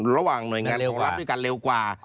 ระหว่างหน่วยงานของรัฐด้วยกันเร็วกว่า